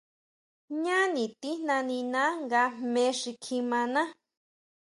Jñáni tijna niná nga jme xi kjimaná.